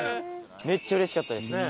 めっちゃうれしかったですね。